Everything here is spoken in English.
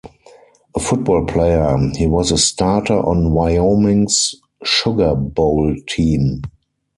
A football player, he was a starter on Wyoming's Sugar Bowl team.